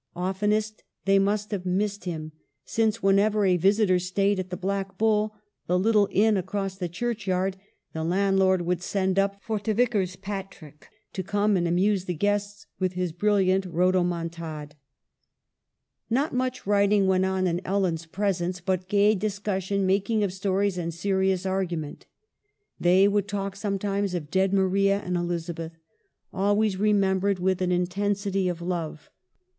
Oftenest they must have missed him ; since, whenever a visitor stayed at the "Black Bull,"* the little inn across the church yard, the landlord would send up for " t' Vicar's Patrick" to come and amuse the guests with his brilliant rhodomontade. 68 EMILY BRONTE. Not much writing went on in Ellen's presence, but gay discussion, making of stories, and serious argument. They would talk sometimes of dead Maria and Elizabeth, always remembered with an intensity of love.